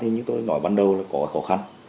như tôi nói ban đầu là có khó khăn